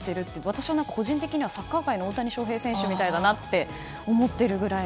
私は個人的にはサッカー界の大谷翔平選手みたいだなって思ってるぐらい。